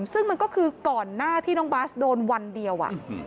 ซึ่งมันก็คือก่อนหน้าที่น้องบาสโดนวันเดียว